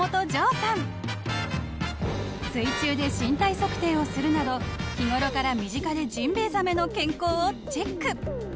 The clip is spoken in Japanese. ［水中で身体測定をするなど日頃から身近でジンベエザメの健康をチェック］